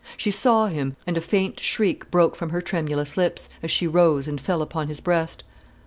She saw him, and a faint shriek broke from her tremulous lips, as she rose and fell upon his breast.